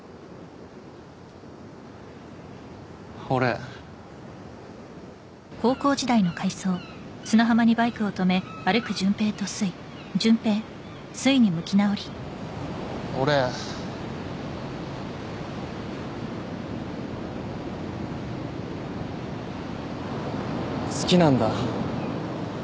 俺俺好きなんだ